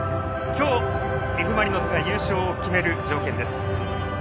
今日、Ｆ・マリノスが優勝を決める条件です。